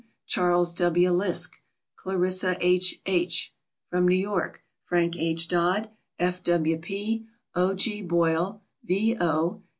Charles W. Lisk, Clarissa H. H. From New York Frank H. Dodd, F. W. P., O. G. Boyle, V. O.